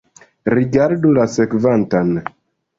Rigardu la sekvantan.